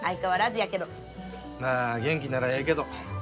まあ元気ならええけど。